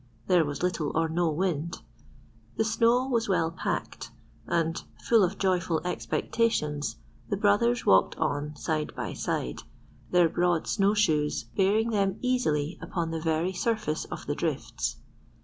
There was little or no wind. The snow was well packed; and, full of joyful expectations, the brothers walked on side by side, their broad snow shoes bearing them easily upon the very surface of the drifts.